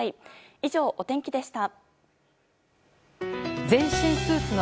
以上、お天気でした。